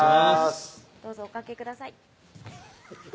どうぞおかけください